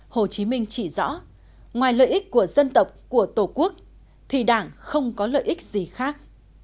hồ chí minh chỉ rõ ngoài lợi ích của dân tộc của tổ quốc thì đảng không có lợi ích gì khác